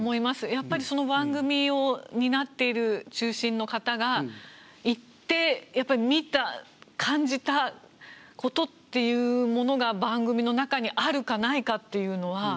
やっぱりその番組を担っている中心の方が行って見た感じたことっていうものが番組の中にあるかないかっていうのは。